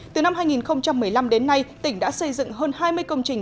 từ năm hai nghìn một mươi năm đến nay tỉnh đã xây dựng hơn hai mươi công trình